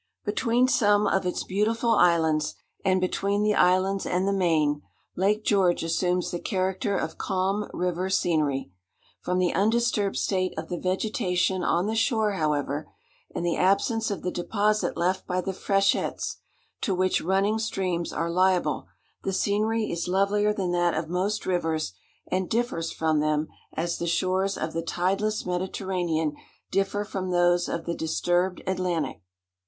Between some of its beautiful islands, and between the islands and the main, Lake George assumes the character of calm river scenery. From the undisturbed state of the vegetation on the shore, however, and the absence of the deposit left by the freshets, to which running streams are liable, the scenery is lovelier than that of most rivers, and differs from them, as the shores of the tideless Mediterranean differ from those of the disturbed Atlantic.